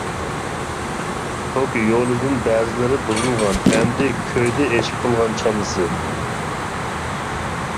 توك يولىدىن بەزىلىرى بۇزۇلغان، ئەمدى كۆيدى ئېشىپ قالغان چالىسى.